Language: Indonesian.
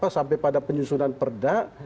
sampai pada penyusunan perda